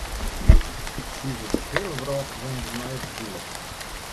Suver de heale wrâld wennet by my op ’e buert.